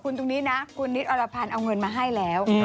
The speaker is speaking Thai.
คุณตรงนี้นะคุณนิดอรพันธ์เอาเงินมาให้แล้ว